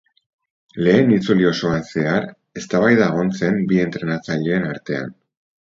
Lehen itzuli osoan zehar eztabaida egon zen bi entrenatzaileen artean.